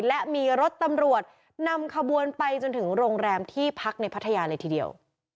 และมีรถตำรวจนำขบวนไปจนถึงโรงแรมที่พักในพัทยาเลยทีเดียว